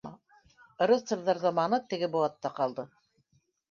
Рыцарҙар заманы теге быуатта ҡалды